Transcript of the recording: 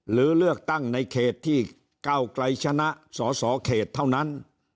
หรือเลือกตั้งในเขตที่ก้าวไกลชนะสสเขตเท่านั้น